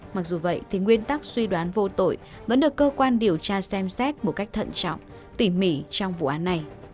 mặc dù vậy thì nguyên tắc suy đoán vô tội vẫn được cơ quan điều tra xem xét một cách thận trọng tỉ mỉ trong vụ án này